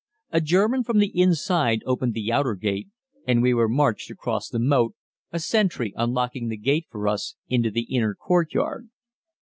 A German from the inside opened the outer gate, and we were marched across the moat, a sentry unlocking the gate for us, into the inner courtyard.